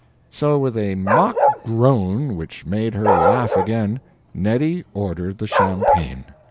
So with a mock groan which made her laugh again, Neddy ordered the champagne.